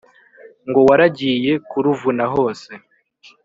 ngo waragiye kuruvuna hose